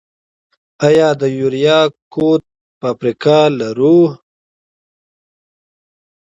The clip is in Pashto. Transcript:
آیا د یوریا کود فابریکه لرو؟